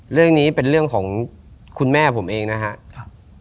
เรื่องนี้เป็นเรื่องของคุณแม่ผมเองนะครับ